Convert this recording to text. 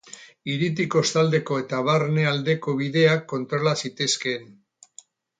Hiritik kostaldeko eta barne aldeko bideak kontrola zitezkeen.